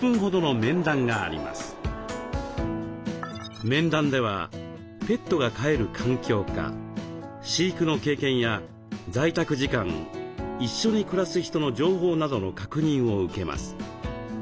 面談ではペットが飼える環境か飼育の経験や在宅時間一緒に暮らす人の情報などの確認を受けます。